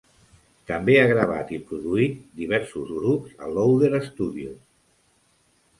També ha gravat i produït diversos grups a Louder Studios.